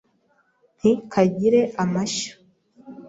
Nti kagire amashyo